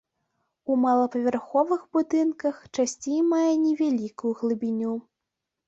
У малапавярховых будынках часцей мае невялікую глыбіню.